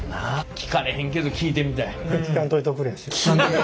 聞かれへんけど聞いてみたい。